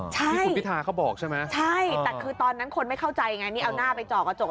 ใช่ที่คุณพิธาเขาบอกใช่ไหมใช่แต่คือตอนนั้นคนไม่เข้าใจไงนี่เอาหน้าไปเจาะกระจก